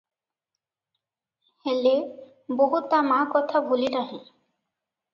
ହେଲେ, ବୋହୂ ତା ମା କଥା ଭୁଲି ନାହିଁ ।